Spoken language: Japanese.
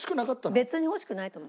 別に欲しくないと思う。